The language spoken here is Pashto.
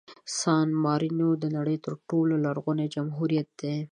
سان مارینو د نړۍ تر ټولو لرغوني جمهوریت دی.